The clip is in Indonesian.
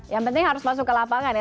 yang penting harus masuk ke lapangan ya